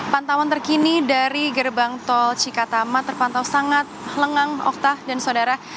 pantauan terkini dari gerbang tol cikatama terpantau sangat lengang okta dan saudara